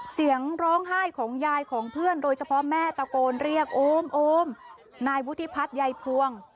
เสียงร้องไห้ของยายของเพื่อนโดยเฉพาะแม่ตะโกนเรียกโอมโอมนายวุฒิพัฒน์ยายพวง